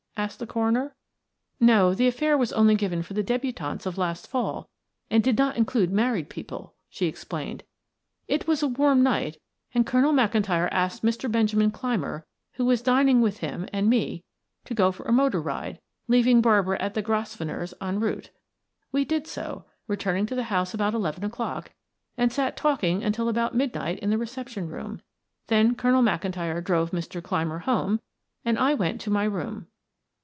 asked the coroner. "No; the affair was only given for the debutantes of last fall and did not include married people," she explained. "It was a warm night and Colonel McIntyre asked Mr. Benjamin Clymer, who was dining with him, and me, to go for a motor ride, leaving Barbara at the Grosvenors' en route. We did so, returning to the house about eleven o'clock, and sat talking until about midnight in the reception room, then Colonel McIntyre drove Mr. Clymer home, and I went to my room."